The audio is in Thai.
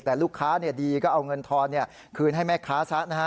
แต่ลูกค้าดีก็เอาเงินทอนคืนให้แม่ค้าซะนะฮะ